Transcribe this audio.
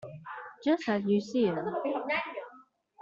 Just as you see them.